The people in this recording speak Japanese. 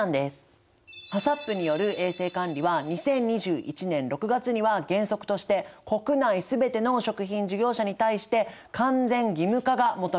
ＨＡＣＣＰによる衛生管理は２０２１年６月には原則として国内全ての食品事業者に対して完全義務化が求められています。